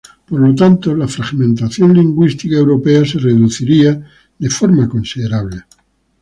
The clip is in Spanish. Por lo tanto, la fragmentación lingüística europea se reduciría de forma considerable.